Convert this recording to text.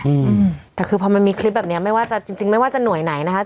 อืมแต่คือพอมันมีคลิปแบบเนี้ยไม่ว่าจะจริงจริงไม่ว่าจะหน่วยไหนนะคะ